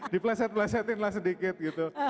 diplesetin lah sedikit gitu